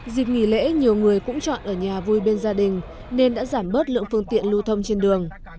dịp nghỉ lễ nhiều người cũng chọn ở nhà vui bên gia đình nên đã giảm bớt lượng phương tiện lưu thông trên đường